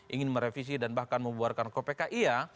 ingin merevisi dan bahkan membuarkan ke pki ya